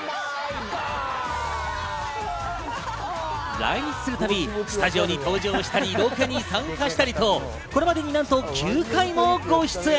来日するたびスタジオに登場したり、ロケに参加したり、これまでなんと９回もご出演。